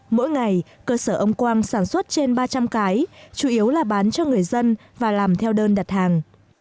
mỗi ngày cơ sở ông quang sản xuất trên ba trăm linh cái chủ yếu là bán cho người dân và làm theo đơn đặt hàng